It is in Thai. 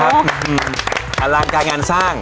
อันลามการงานสร้าง